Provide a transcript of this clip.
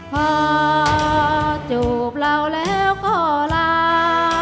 พอจูบเราแล้วก็ลา